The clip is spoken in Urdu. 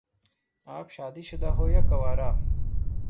آپ شادی شدہ ہو یا کنوارہ؟